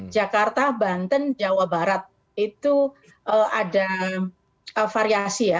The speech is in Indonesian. jakarta banten jawa barat itu ada variasi ya